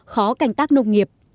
khó canh tác nông nghiệp